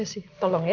oh itu dokter